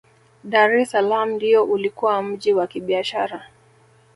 dr es salaam ndiyo ulikuwa mji wa kibiashara